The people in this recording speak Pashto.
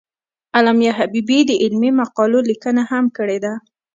علامه حبیبي د علمي مقالو لیکنه هم کړې ده.